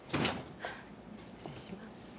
失礼します